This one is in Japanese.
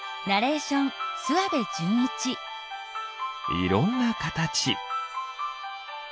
いろんなかたち。